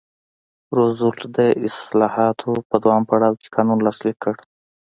روزولټ د اصلاحاتو په دویم پړاو کې قانون لاسلیک کړ.